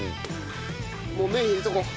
もう麺入れとこう。